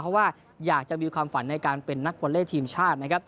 เพราะว่าอยากจะมีความฝันในการเป็นนักวอเล่ทีมชาตินะครับ